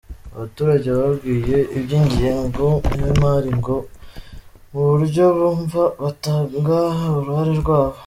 Abaturage babwiwe iby’ingengo y’imari mu buryo bumva batanga uruhare rwabo.